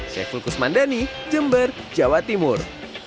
saya fulkus mandani jember jawa timur